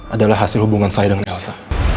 adalah hasil hubungan saya dengan elsa